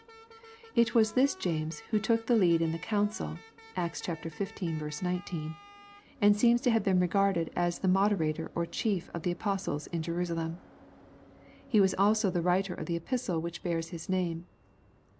It was this James who took the lead in the council, (Acts xv. 19.) and seems to have been regarded as the moderator or chief of the apostles in Jerusalem. He was also the writer of the Epistle wliich bears his name.